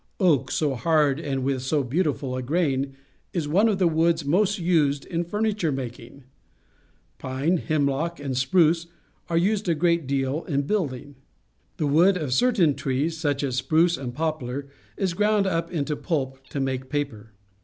Oak, so hard and with 8o beautiful a grain, is one of the woods most used in furniture making. Pine, hem lock, and spruce are used a great deal in building. The wood of certain trees, such Undercutting a Douglas Fir, British Columbia as spruce and poplar, is ground up into pulp and made into paper.